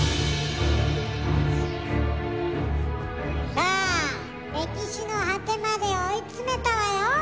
さあ歴史の果てまで追い詰めたわよ。